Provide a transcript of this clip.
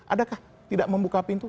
adakah tidak membuka pintu